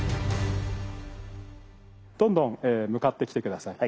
どんどん向かってきて下さい。